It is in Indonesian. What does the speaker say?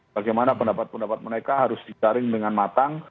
bagaimana pendapat pendapat mereka harus dijaring dengan matang